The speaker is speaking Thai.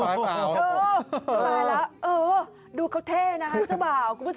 มันไม่รู้มันไม่รู้